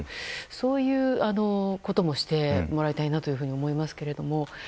そういうこともしてもらいたいなと思いますけれども。